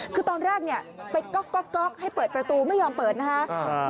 คือตอนแรกเนี่ยไปก๊อกให้เปิดประตูไม่ยอมเปิดนะคะ